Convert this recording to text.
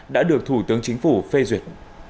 đã được thủ tướng chính phủ phê duyệt